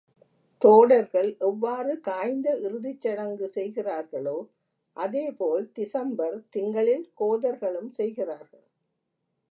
தோடர்கள் எவ்வாறு காய்ந்த இறுதிச் சடங்கு செய்கிறர்களோ, அதே போல் திசம்பர் திங்களில் கோதர்களும் செய்கிறார்கள்.